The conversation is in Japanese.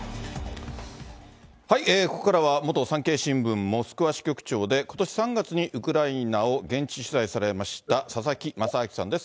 ここからは、元産経新聞モスクワ支局長で、ことし３月にウクライナを現地取材されました、佐々木正明さんです。